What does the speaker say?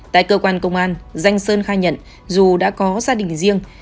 tại cơ quan công an danh sơn khai nhận dù đã có gia đình riêng